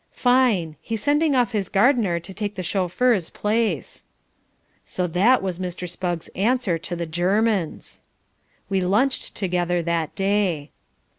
"Fine. He's sending off his gardener to take the chauffeur's place." So that was Mr. Spugg's answer to the Germans. We lunched together that day.